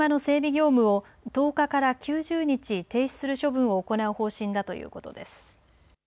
業務を１０日から９０日停止する処分を行う方針だということです。